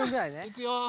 いくよ。